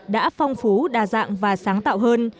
đã phong phú đa dạng và sáng tạo hơn